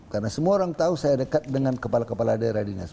karena semua orang tahu saya dekat dengan kepala kepala daerah dinas